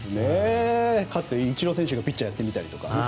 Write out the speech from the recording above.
かつてイチロー選手がピッチャーやってみたりとか。